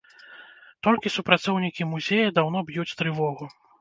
Толькі супрацоўнікі музея даўно б'юць трывогу.